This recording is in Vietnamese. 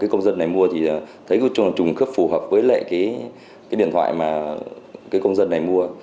công dân này mua thì thấy trùng khớp phù hợp với điện thoại mà công dân này mua